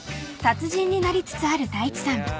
達人になりつつある太一さん］